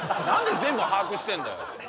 何で全部把握してんだよ